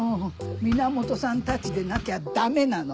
源さんたちでなきゃダメなの。